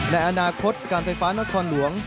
ในอนาคตการไฟฟ้านครหลวง